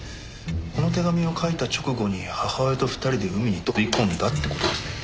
この手紙を書いた直後に母親と２人で海に飛び込んだって事ですね。